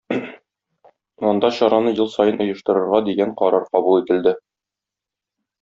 Анда чараны ел саен оештырырга дигән карар кабул ителде.